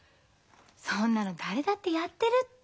そんなの誰だってやってるって。